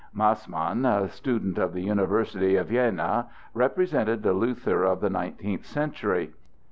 Massmann, a student of the university of Jena, represented the Luther of the nineteenth century.